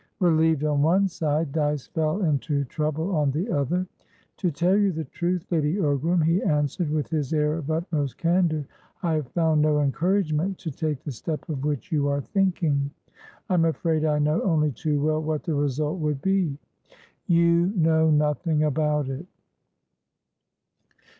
Relieved on one side, Dyce fell into trouble on the other. "To tell you the truth, Lady Ogram," he answered, with his air of utmost candour, "I have found no encouragement to take the step of which you are thinking. I'm afraid I know only too well what the result would be." "You know nothing about it."